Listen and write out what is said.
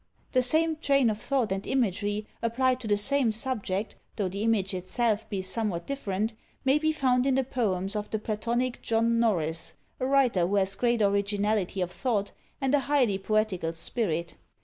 The same train of thought and imagery applied to the same subject, though the image itself be somewhat different, may be found in the poems of the platonic John Norris; a writer who has great originality of thought, and a highly poetical spirit.